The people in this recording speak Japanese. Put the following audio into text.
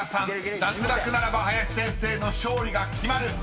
脱落ならば林先生の勝利が決まる］